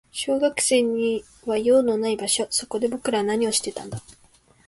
小学生には用のない場所。そこで僕らは何をしていたんだ。